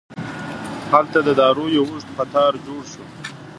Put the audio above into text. هلته د دارو یو اوږد قطار جوړ شو.